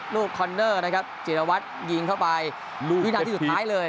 คอนเนอร์นะครับจิรวัตรยิงเข้าไปดูวินาทีสุดท้ายเลย